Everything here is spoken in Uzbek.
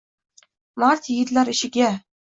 Mard yigitlar ishiga